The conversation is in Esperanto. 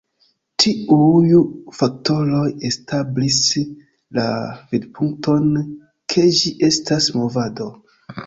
Tiuj faktoroj establis la vidpunkton ke ĝi estas "movado".